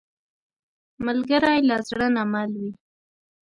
ملګری له زړه نه مل وي